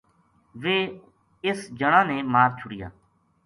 ویہ اِ س جنا نے مار چھڑیا